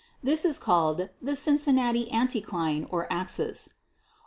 This is called the 'Cin cinnati anticline or axis.'